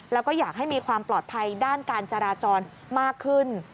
แล้วก็อยากให้มีความปลอดภัยด้านการจราจรมากขึ้น